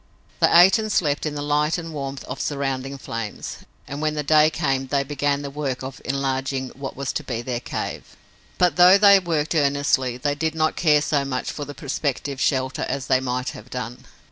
They ate and slept in the light and warmth of surrounding flames, and when the day came they began the work of enlarging what was to be their cave. But, though they worked earnestly, they did not care so much for the prospective shelter as they might have done.